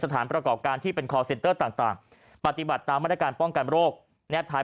สถานประกอบการที่เป็นคอร์เซ็นเตอร์ต่างปฏิบัติตามมาตรการป้องกันโรคแนบท้าย